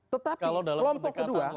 tetapi kelompok kedua